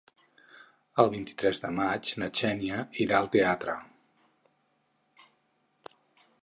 El vint-i-tres de maig na Xènia irà al teatre.